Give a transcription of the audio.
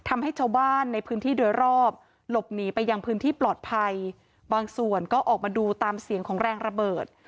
มาดูตามเสียงของแรงระเบิด